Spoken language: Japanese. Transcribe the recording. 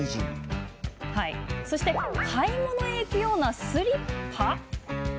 買い物へ行くようなスリッパ？